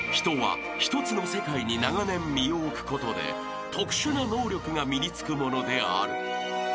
［人は一つの世界に長年身を置くことで特殊な能力が身に付くものである］